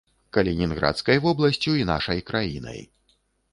Калінінградскай вобласцю і нашай краінай.